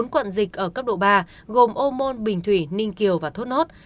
bốn quận dịch ở cấp độ ba gồm ô môn bình thủy ninh kiều và thốt nốt